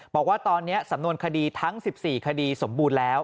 บอกว่าตอนนี้สำนวนคดีทั้ง๑๔คดีสมบูรณ์แล้ว